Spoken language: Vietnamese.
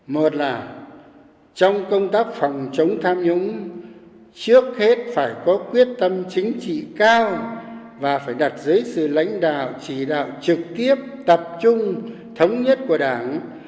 một là trong công tác phòng chống tham nhũng trước hết phải có quyết tâm chính trị cao và phải đặt dưới sự lãnh đạo chỉ đạo trực tiếp tập trung thống nhất của đảng